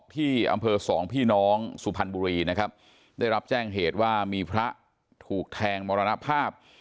ที่อำเภอสองพี่น้องสุพรรณบุรีนะครับได้รับแจ้งเหตุว่ามีพระถูกแทงมรณภาพ